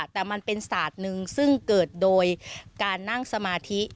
แต่มันเป็นศาสตร์หนึ่งซึ่งเกิดโดยการนั่งสมาธิ